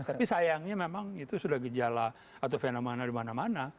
tapi sayangnya memang itu sudah gejala atau fenomena di mana mana